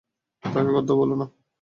তাকে গর্দভ বলো না।